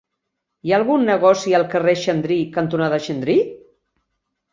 Hi ha algun negoci al carrer Xandri cantonada Xandri?